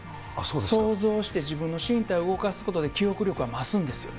想像して自分の身体を動かすことで、記憶力が増すんですよね。